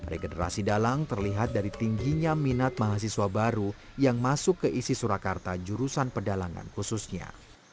regenerasi dalang terlihat dari tingginya minat mahasiswa baru yang masuk ke isi surakarta jurusan pedalangan khususnya